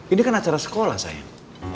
ini kan acara sekolah saya